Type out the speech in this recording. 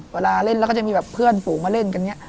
เวลาเล่นแล้วก็จะมีแบบเพื่อนปู่มาเล่นกันเนี่ย